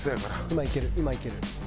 今いける今いける。